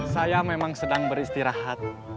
saya memang sedang beristirahat